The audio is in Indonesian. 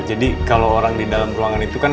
jadi kalau orang di dalam ruangan itu kan